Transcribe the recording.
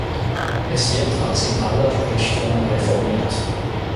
Es wird als in aller Richtungen reformiert.